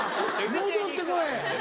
戻ってこい！